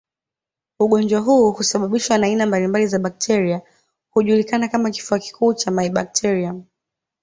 Ugonjwa huu husababishwa na aina mbalimbali za bakteria hujulikana kama kifua kikuu cha mybacterium